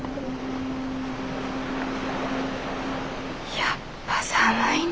やっぱ寒いね。